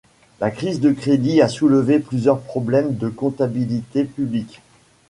La crise du crédit a soulevé plusieurs problèmes de comptabilité publique.